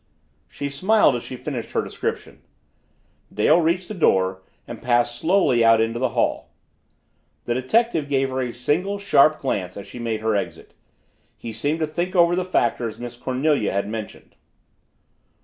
She smiled as she finished her description. Dale reached the door and passed slowly out into the hall. The detective gave her a single, sharp glance as she made her exit. He seemed to think over the factors Miss Cornelia had mentioned.